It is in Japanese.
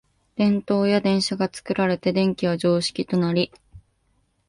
電燈や電車が作られて電気は常識となり、